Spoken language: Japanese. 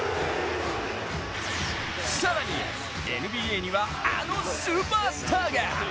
更にＮＢＡにはあのスーパースターが！